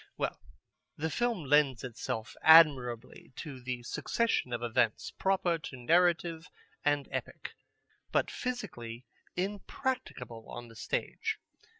Well, the film lends itself admirably to the succession of events proper to narrative and epic, but physically impracticable on the stage.